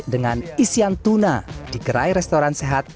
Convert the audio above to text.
dengan isian tuna di gerai restoran sehat